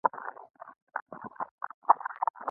هیلۍ د طبیعت نازولې ده